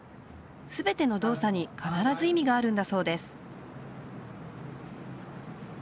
全ての動作に必ず意味があるんだそうです